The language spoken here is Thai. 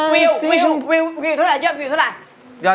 วิววิววิวเยอะเยอะเยอะเยอะเยอะเยอะเยอะ